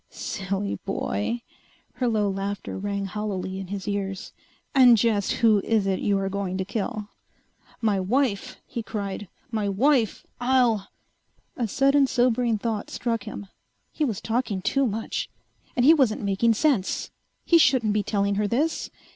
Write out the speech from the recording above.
"Silly boy!" Her low laughter rang hollowly in his ears. "And just who is it you are going to kill?" "My wife!" he cried. "My wife! I'll ..." A sudden sobering thought struck him. He was talking too much. And he wasn't making sense. He shouldn't be telling her this.